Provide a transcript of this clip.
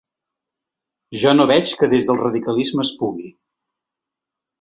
Jo no veig que des del radicalisme es pugui.